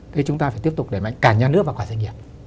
thì chúng ta phải tiếp tục đẩy mạnh cả nhà nước và cả doanh nghiệp